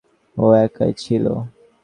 ও একাই ছিল।